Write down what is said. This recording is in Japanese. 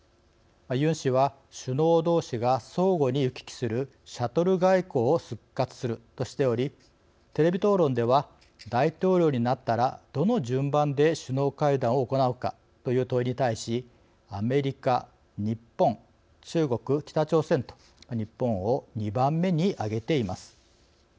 ユン氏は、首脳どうしが相互に行き来するシャトル外交を復活するとしておりテレビ討論では大統領になったらどの順番で首脳会談を行うかという問いに対しアメリカ、日本、中国、北朝鮮と日本を２番目に挙げています。